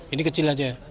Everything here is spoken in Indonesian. ini kecil aja